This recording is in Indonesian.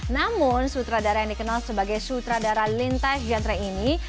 namun sutradara yang dikenal sebagai sutradara lintas genre ini